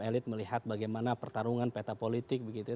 elit melihat bagaimana pertarungan peta politik begitu ya